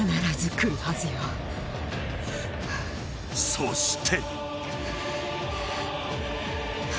［そして］